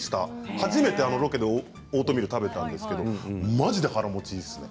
初めてあのロケでオートミール食べたんですけどマジで腹もちいいですね。